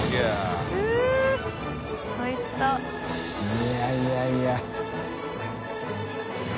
いやいやいや。